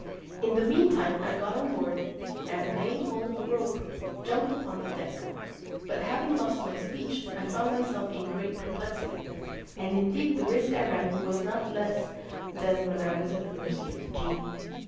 In the meantime I got on board, and laying hold of a rope, jumped upon the deck, but having lost my speech I found myself in great perplexity: and indeed the risk I ran was not less than when I was at the mercy of the genie.